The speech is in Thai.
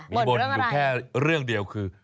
มีบ่นอยู่แค่เรื่องเดียวคือ